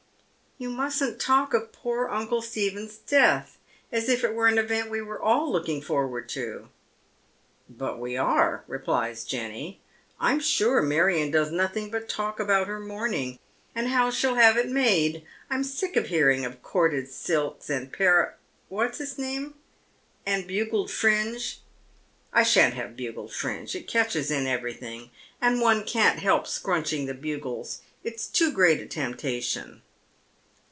You mustn't talk of poor uncle Stephen's death as if it were an event we were all looking forward to." •' But we are," replies Jenny. •' I'm sure Marion does nothing but talk about her mourning, and how she'll have it made. Fm sick of hearing of corded silks and para what's its name ?— ftud bugled fiinge. I shan't ha^w* bugled fiinge j it catches in Bitter Almond*. 245 everything, and one can't help scrunching the bugles. It'a too gfreat a temptation."